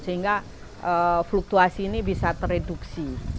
sehingga fluktuasi ini bisa tereduksi